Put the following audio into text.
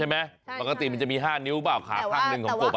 ใช่ไหมปกติมันจะมี๕นิ้วหรือเปล่าขาข้างหนึ่งของกบอ่ะ